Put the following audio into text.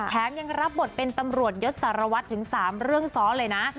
ยังรับบทเป็นตำรวจยศสารวัตรถึง๓เรื่องซ้อนเลยนะ